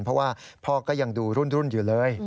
เพราะว่าพ่อก็ยังดูรุ่นอยู่เลย